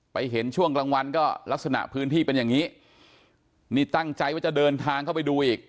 เห็นช่วงกลางวันก็ลักษณะพื้นที่เป็นอย่างนี้นี่ตั้งใจว่าจะเดินทางเข้าไปดูอีก